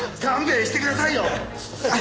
勘弁してくださいよ！